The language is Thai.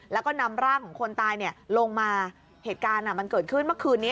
แล้วก็นำร่างของคนตายลงมาเหตุการณ์มันเกิดขึ้นเมื่อคืนนี้